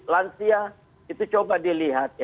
lansia itu coba dilihat